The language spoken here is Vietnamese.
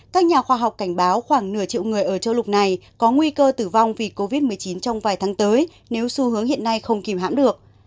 các nhà khoa học cảnh báo khoảng nửa triệu người ở châu lục này có nguy cơ tử vong vì covid một mươi chín trong vài tháng tới nếu xu hướng hiện nay không kìm hãm được